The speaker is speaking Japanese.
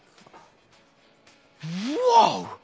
うわ！